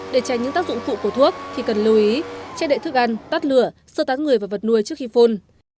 để tránh những tác dụng phụ của thuốc thì cần lưu ý che đậy thức ăn tắt lửa sơ tán người và vật nuôi trước khi phun